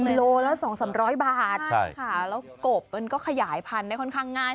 โลละ๒๓๐๐บาทใช่ค่ะแล้วกบมันก็ขยายพันธุ์ได้ค่อนข้างง่าย